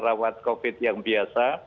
rawat covid yang biasa